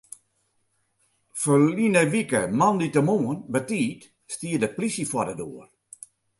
Ferline wike moandeitemoarn betiid stie de plysje foar de doar.